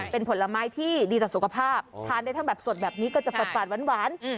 เป็นผลไม้ที่ดีต่อสุขภาพทานได้ทั้งแบบสดแบบนี้ก็จะฝาดหวาน